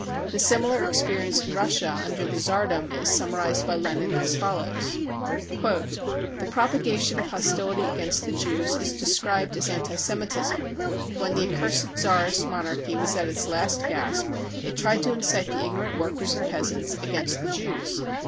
The similar ex perience in Russia under the Tsardom is summarised by Lenin as follows : "The propagation of hostility against the Jews is described as anti Semitism. When the accursed Tsarist monarchy was at its last gasp, it tried to incite the ignorant workers and peasants against the Jews.